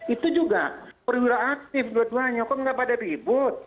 itu juga perwira aktif dua duanya kok nggak pada ribut